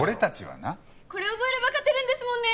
これ覚えれば勝てるんですもんね！